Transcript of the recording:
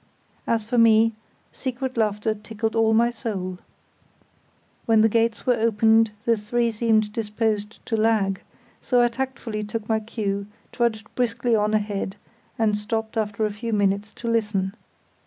As for me, "secret laughter tickled all my soul". When the gates were opened the three seemed disposed to lag, so I tactfully took my cue, trudged briskly on ahead, and stopped after a few minutes to listen.